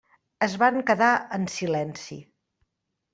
Es van quedar en silenci.